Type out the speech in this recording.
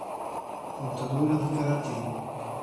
Lutadora de karatê